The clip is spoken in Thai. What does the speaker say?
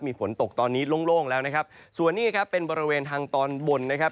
มีฝนตกตอนนี้โล่งโล่งแล้วนะครับส่วนนี้ครับเป็นบริเวณทางตอนบนนะครับ